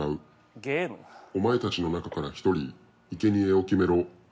お前たちの中から１人いけにえを決めろ。